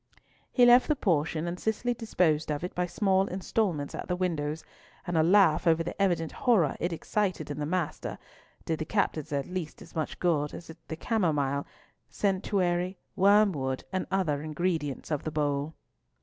He left the potion, and Cicely disposed of it by small instalments at the windows; and a laugh over the evident horror it excited in the master, did the captives at least as much good as the camomile, centaury, wormwood, and other ingredients of the bowl.